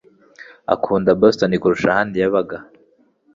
akunda Boston kurusha ahandi yabaga.